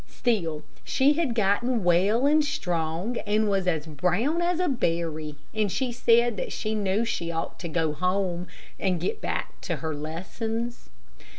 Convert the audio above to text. Still, she had gotten well and strong, and was as brown as a berry, and she said that she knew she ought to go home, and get back to her lessons.